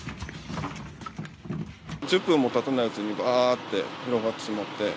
１０分もたたないうちにばーって広がってしまって。